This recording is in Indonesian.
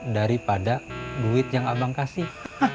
daripada duit yang abang kasih